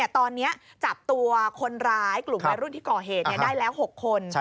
ตอนนี้จับตัวคนร้ายกลุ่มวัยรุ่นที่ก่อเหตุได้แล้ว๖คน